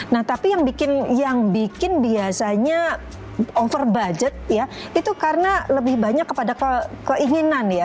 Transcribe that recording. nah tapi yang bikin biasanya over budget ya itu karena lebih banyak kepada keinginan ya